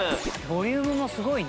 ボリュームもすごいね。